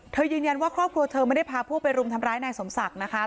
ยืนยันว่าครอบครัวเธอไม่ได้พาพวกไปรุมทำร้ายนายสมศักดิ์นะคะ